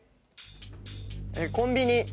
コンビニ。